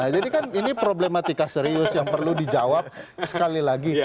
kan ini problematika serius yang perlu dijawab sekali lagi